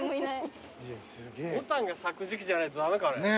ボタンが咲く時季じゃないと駄目かね。